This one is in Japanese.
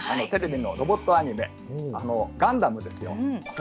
テレビのロボットアニメ「ガンダム」です。